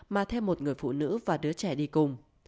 mà thêm một người phụ nữ và đứa trẻ đi cùng